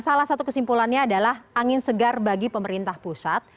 salah satu kesimpulannya adalah angin segar bagi pemerintah pusat